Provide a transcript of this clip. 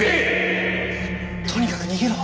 とにかく逃げろ。